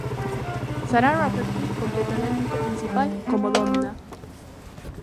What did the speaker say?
Sarah Rafferty completó el elenco principal como Donna.